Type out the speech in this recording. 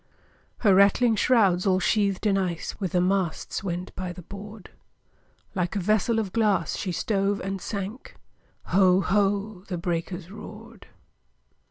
Her rattling shrouds, all sheathed in ice, With the masts went by the board; Like a vessel of glass, she stove and sank, Ho! ho! the breakers roared!